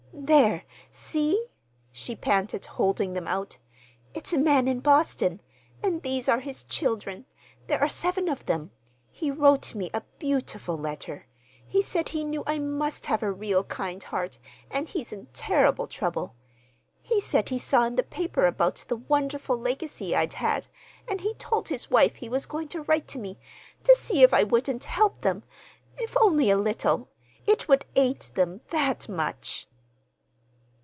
"There, see," she panted, holding them out. "It's a man in Boston, and these are his children. There are seven of them. He wrote me a beautiful letter. He said he knew I must have a real kind heart, and he's in terrible trouble. He said he saw in the paper about the wonderful legacy I'd had, and he told his wife he was going to write to me, to see if I wouldn't help them—if only a little, it would aid them that much."